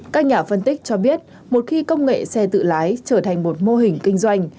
các nhà phân tích cho biết một khi công nghệ xe tự lái trở thành một mô hình kinh doanh